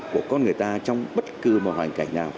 của con người ta trong bất cứ một hoàn cảnh nào